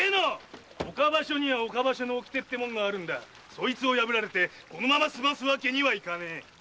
そいつを破られてそのまま済ますわけにはいかねえ。